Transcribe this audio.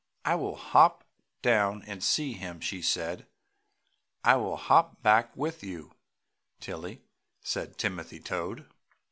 "I will hop down and see him!" she said. "I will hop back with you, Tilly!" said Timothy Toad.